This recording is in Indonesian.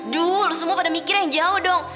duh semua pada mikir yang jauh dong